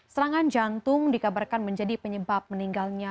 serangan jantung dikabarkan menjadi penyebab meninggalnya